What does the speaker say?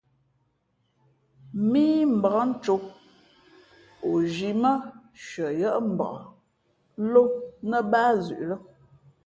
Mímbak cō, o zhī mά nshʉαyάʼ mbǎk ló nά báá zʉʼ.